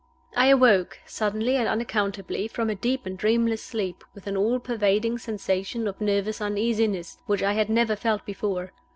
I awoke, suddenly and unaccountably, from a deep and dreamless sleep with an all pervading sensation of nervous uneasiness which I had never felt before.